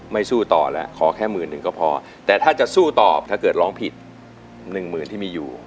สู้ต่อแล้วขอแค่หมื่นหนึ่งก็พอแต่ถ้าจะสู้ตอบถ้าเกิดร้องผิดหนึ่งหมื่นที่มีอยู่